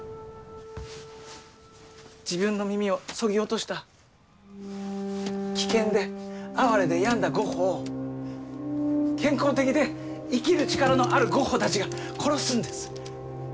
自分の耳をそぎ落とした危険で哀れで病んだゴッホを健康的で生きる力のあるゴッホたちが殺すんです。